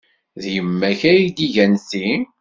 D yemma-k ay d-igan ti?